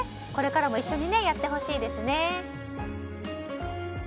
これからも一緒にやってほしいですね。